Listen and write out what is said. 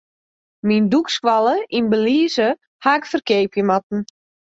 Myn dûkskoalle yn Belize haw ik ferkeapje moatten.